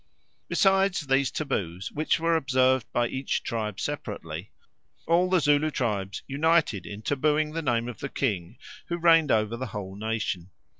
Besides these taboos, which were observed by each tribe separately, all the Zulu tribes united in tabooing the name of the king who reigned over the whole nation.